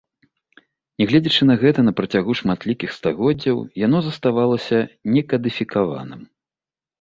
Нягледзячы на гэта, на працягу шматлікіх стагоддзяў яно заставалася не кадыфікаваным.